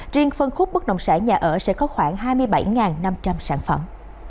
riêng phân khúc bất động sản nhà ở sẽ có khoảng hai mươi bảy năm trăm linh sản phẩm